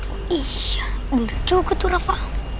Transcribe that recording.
oh iya bener juga tuh rafa